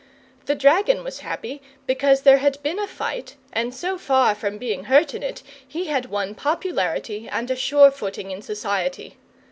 The dragon was happy because there had been a fight, and so far from being hurt in it he had won popularity and a sure footing in society.